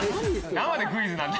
生でクイズなんだ。